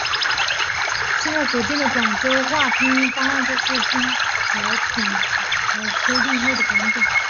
现在所见的广州话拼音方案就是经饶秉才修订后的版本。